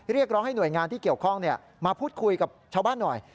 เรียกร้องให้หน่วยงานที่เกี่ยวข้องมาพูดคุยกับชาวบ้านหน่อย